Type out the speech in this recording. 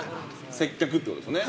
◆接客ということですね。